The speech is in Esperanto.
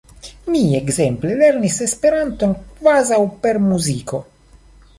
Mi ekzemple lernis Esperanton kvazaŭ per muziko.